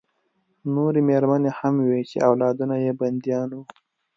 نورې مېرمنې هم وې چې اولادونه یې بندیان وو